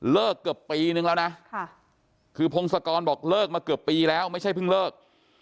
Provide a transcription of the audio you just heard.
เกือบปีนึงแล้วนะคือพงศกรบอกเลิกมาเกือบปีแล้วไม่ใช่เพิ่งเลิก